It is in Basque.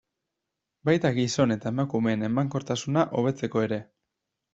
Baita gizon eta emakumeen emankortasuna hobetzeko ere.